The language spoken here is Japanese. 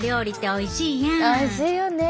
おいしいよね。